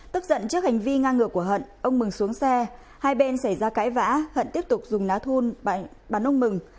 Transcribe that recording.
tức giận trước hành vi ngang ngựa của hận ông mừng xuống xe hai bên xảy ra cãi vã hận tiếp tục dùng lá thun bắn ông mừng